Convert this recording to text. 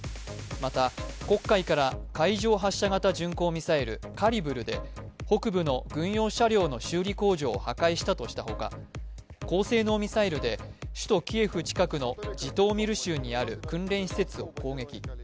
また、黒海から海上発射型巡航ミサイル・カリブルで北部の軍用車両の修理工場を破壊したとしたほか高性能ミサイルで首都キエフ近くのジトーミル州にある訓練施設を攻撃。